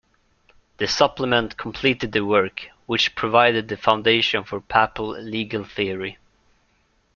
The supplement completed the work, which provided the foundation for papal legal theory.